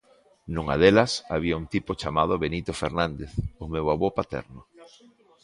Nunha delas, había un tipo chamado Benito Fernández, o meu avó paterno.